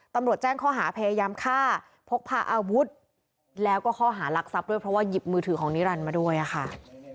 ตำรวจแจ้งค้าหาพยายามฆ่า